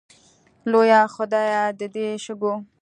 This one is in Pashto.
لویه خدایه د دې شګو